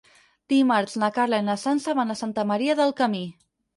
Dimarts na Carla i na Sança van a Santa Maria del Camí.